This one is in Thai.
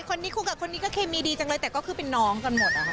คู่กับคนนี้ก็เคมีดีจังเลยแต่ก็คือเป็นน้องกันหมดนะคะ